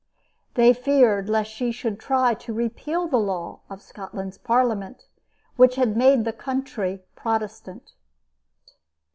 They feared lest she should try to repeal the law of Scotland's Parliament which had made the country Protestant.